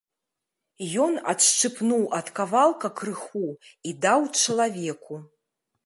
Ён адшчыпнуў ад кавалка крыху і даў чалавеку.